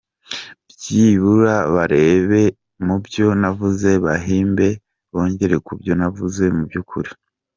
Byibura barebe mubyo navuze bahimbe bongera kubyo navuze mu by’ukuri.